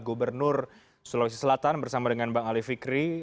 gubernur sulawesi selatan bersama dengan bang ali fikri